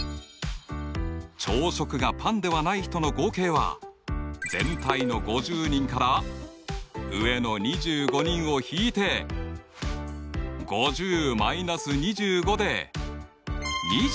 朝食がパンではない人の合計は全体の５０人から上の２５人を引いて５０−２５で２５人。